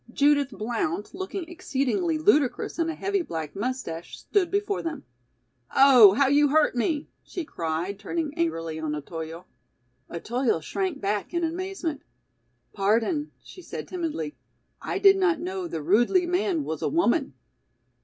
Judith Blount, looking exceedingly ludicrous in a heavy black mustache, stood before them. "Oh, how you hurt me," she cried, turning angrily on Otoyo. Otoyo shrank back in amazement. "Pardon," she said timidly. "I did not know the rudely man was a woman."